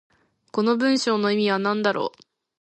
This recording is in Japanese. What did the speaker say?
この文章の意味は何だろう。